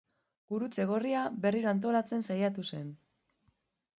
Gurutze Gorria berriro antolatzen saiatu zen.